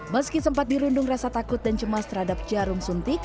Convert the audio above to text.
meski sempat dirundung rasa takut dan cemas terhadap jarum suntik